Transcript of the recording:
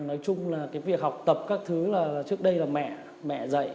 ở chung việc học tập các thứ trước đây là mẹ dạy